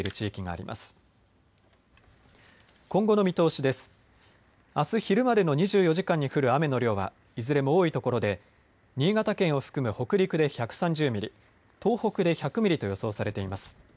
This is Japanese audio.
あす昼までの２４時間に降る雨の量はいずれも多いところで新潟県を含む北陸で１３０ミリ、東北で１００ミリと予想されています。